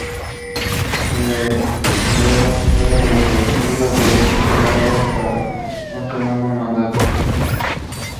De Valera fue reelegido de este modo para un segundo mandato.